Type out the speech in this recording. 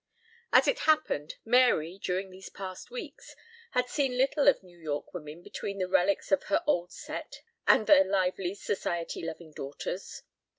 As it had happened, Mary, during these past weeks, had seen little of New York women between the relics of her old set and their lively Society loving daughters.